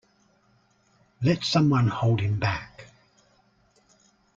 Let some one hold him back.